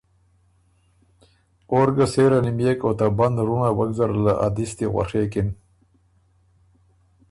اور ګه سېره نِميېک او ته بند رونړه وک زره له ا دِستی غؤڒېکِن